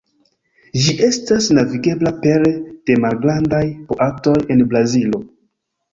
Ĝi estas navigebla pere de malgrandaj boatoj en Brazilo.